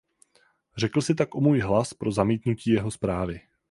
Řekl si tak o můj hlas pro zamítnutí jeho zprávy.